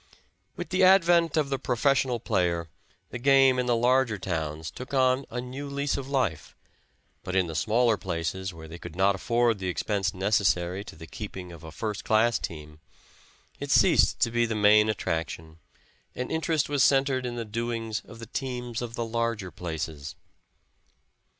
With the advent of the professional player the game in the larger towns took on a new lease of life, but in the smaller places where they could not afford the expense necessary to the keeping of a first class team it ceased to be the main attraction and interest was centered in the doings of the teams of the larger places.